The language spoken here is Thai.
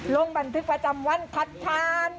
ลงบันทึกประจำวันคัดค้าน